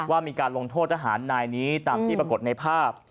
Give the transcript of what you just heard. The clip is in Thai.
ว่ามีการลงโทษทหารนายนี้ตามที่ปรากฏในภาพ